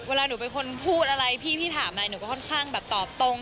เวลาหนูเป็นคนพูดอะไรพี่พี่ถามอะไรหนูก็ค่อนข้างแบบตอบตรง